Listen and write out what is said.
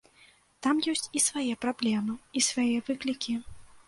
Там ёсць і свае праблемы, і свае выклікі.